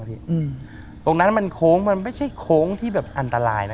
ตรงนั้นมันโค้งมันไม่ใช่โค้งที่แบบอันตรายนะ